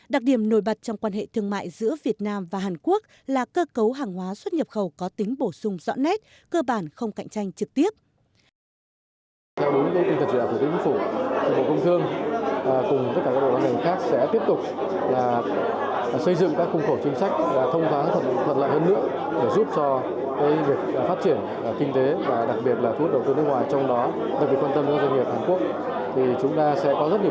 đặc điểm nổi bật trong quan hệ thương mại giữa việt nam và hàn quốc là cơ cấu hàng hóa xuất nhập khẩu có tính bổ sung rõ nét cơ bản không cạnh tranh trực tiếp